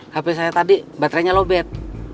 hp saya tadi baterainya lobet